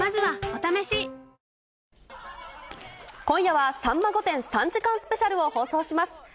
今夜はさんま御殿３時間スペシャルを放送します。